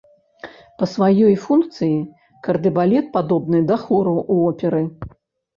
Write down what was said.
Па сваёй функцыі кардэбалет падобны да хору ў оперы.